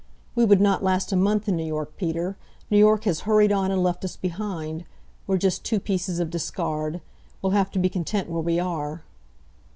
"We would not last a month in New York, Peter. New York has hurried on and left us behind. We're just two pieces of discard. We'll have to be content where we are."